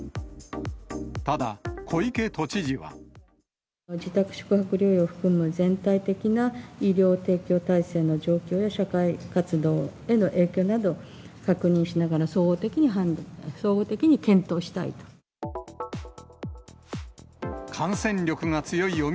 ただ、小池都知事は。自宅・宿泊療養を含む全体的な医療提供体制の状況や社会活動への影響などを確認しながら総合的に検討したい。